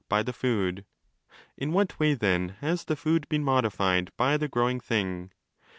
by the food. In what way, then, has the food been modi fied by the growing thihg??